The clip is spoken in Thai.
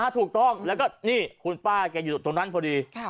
ถูกต้องแล้วก็นี่คุณป้าแกอยู่ตรงนั้นพอดี